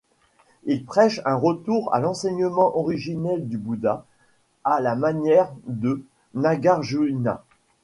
Il prêche un retour à l'enseignement originel du Bouddha, à la manière de Nagarjuna.